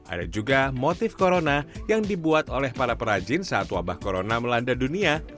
ada juga motif corona yang dibuat oleh para perajin saat wabah corona melanda dunia